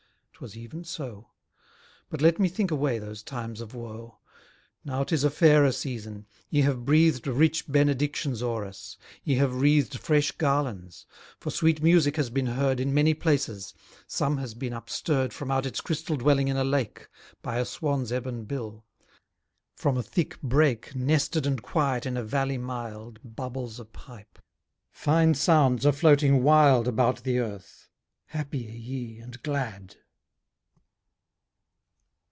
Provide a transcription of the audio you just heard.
'Twas even so: But let me think away those times of woe: Now 'tis a fairer season; ye have breathed Rich benedictions o'er us; ye have wreathed Fresh garlands: for sweet music has been heard In many places; some has been upstirr'd From out its crystal dwelling in a lake, By a swan's ebon bill; from a thick brake, Nested and quiet in a valley mild, Bubbles a pipe; fine sounds are floating wild About the earth: happy are ye and glad.